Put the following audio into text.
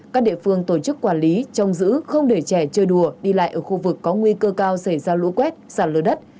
các địa phương tổ chức quản lý trông giữ không để trẻ chơi đùa đi lại ở khu vực có nguy cơ cao xảy ra lũ quét sạt lở đất